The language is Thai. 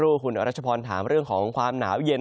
เมื่อจะครูกรูรัชปอลด้าลาจะถามเรื่องของความหนาวเย็น